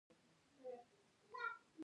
دوی ځینې وخت د بې انصافۍ له امله بغاوت کاوه.